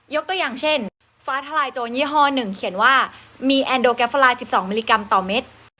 ตัวอย่างเช่นฟ้าทลายโจรยี่ห้อ๑เขียนว่ามีแอนโดแกฟาไลน์๑๒มิลลิกรัมต่อเม็ด